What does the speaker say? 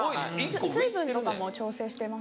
水分とかも調整してますか？